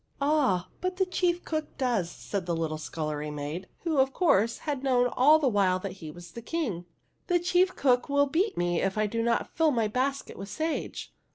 " Ah, but the chief cook does," said the little scullery maid, who, of course, had known all the while that he was the King. " The chief cook will beat me if I do not fill my basket with sage.